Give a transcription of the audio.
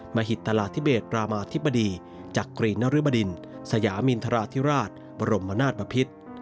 มหิตราธิเบศรามาธิบดีจักรีนริบดินสยามินทราธิราชบรมนาศบพิษ